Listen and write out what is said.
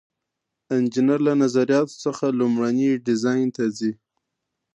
انجینر له نظریاتو څخه لومړني ډیزاین ته ځي.